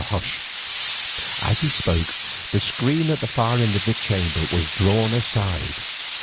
Hush!" As he spoke the screen at the far end of the chamber was drawn aside.